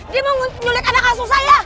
dia mau nyulik anak asuh saya